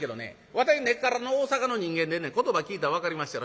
わたい根っからの大坂の人間でね言葉聞いたら分かりまっしゃろ。